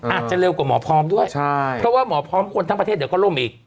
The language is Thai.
อาจจะเร็วกว่าหมอพร้อมด้วยใช่เพราะว่าหมอพร้อมคนทั้งประเทศเดี๋ยวก็ล่มอีก